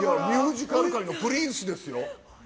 ミュージカル界のプリンスですよ。